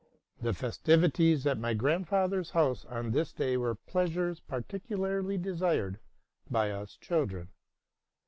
The festivities at my grandfather's house on this day were pleasures particu larly desired by us children.